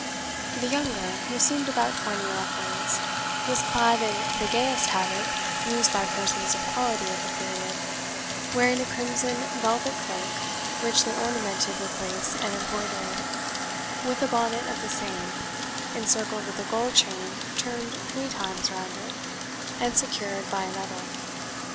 The younger, who seemed about twenty, or upwards, was clad in the gayest habit used by persons of quality at the period, wearing a crimson velvet cloak richly ornamented with lace and embroidery, with a bonnet of the same, encircled with a gold chain turned three times round it, and secured by a medal.